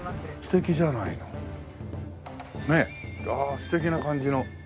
素敵な感じの。